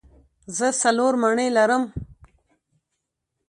زه څلور مڼې لرم.